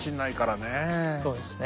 そうですね。